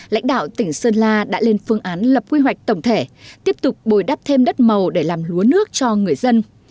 lãnh đạo tỉnh sơn la đã lên phương án lập quy hoạch tổng thể tiếp tục bồi đắp thêm đất màu để làm lúa nước cho người dân